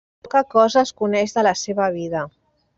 Poca cosa es coneix de la seva vida.